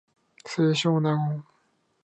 清少納言